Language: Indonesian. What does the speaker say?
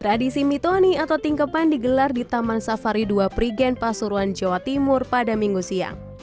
tradisi mitoni atau tingkepan digelar di taman safari dua prigen pasuruan jawa timur pada minggu siang